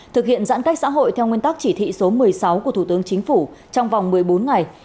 thực hiện giãn cách xã hội theo nguyên tắc chỉ thị số một mươi sáu của thủ tướng chính phủ trong vòng một mươi bốn ngày